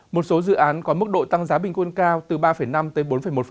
một số dự án có mức độ tăng giá bình quân cao từ ba năm tới bốn một